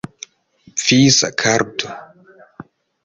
Visa karto.